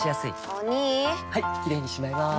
お兄はいキレイにしまいます！